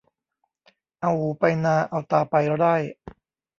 เอาหูไปนาเอาตาไปไร่